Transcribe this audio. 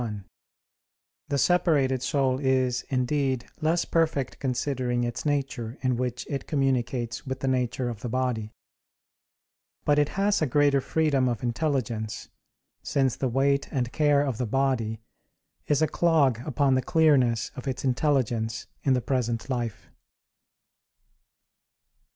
1: The separated soul is, indeed, less perfect considering its nature in which it communicates with the nature of the body: but it has a greater freedom of intelligence, since the weight and care of the body is a clog upon the clearness of its intelligence in the present life.